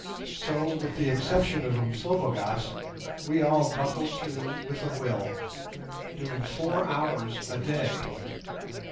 So, with the exception of Umslopogaas, we all buckled to with a will, doing four hours a day.